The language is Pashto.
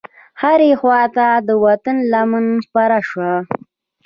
هرې خواته د وطن لمن خپره شوه.